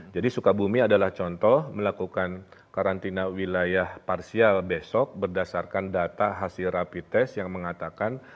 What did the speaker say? jadi sukabumi adalah contoh melakukan karantina wilayah parsial besok berdasarkan data hasil rapi tes yang mengatakan